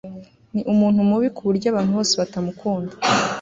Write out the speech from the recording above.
Ni umuntu mubi kuburyo abantu bose batamukunda